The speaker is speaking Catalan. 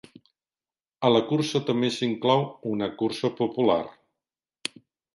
A la cursa també s'inclou una cursa popular.